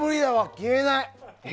消えない。